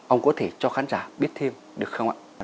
ông có thể cho khán giả biết thêm được không ạ